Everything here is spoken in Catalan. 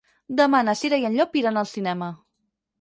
Demà na Cira i en Llop iran al cinema.